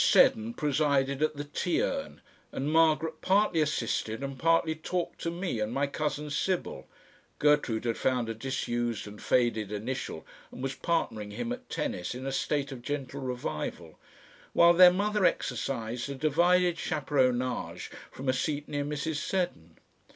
Seddon presided at the tea urn, and Margaret partly assisted and partly talked to me and my cousin Sibyl Gertrude had found a disused and faded initial and was partnering him at tennis in a state of gentle revival while their mother exercised a divided chaperonage from a seat near Mrs. Seddon.